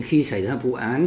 khi xảy ra vụ án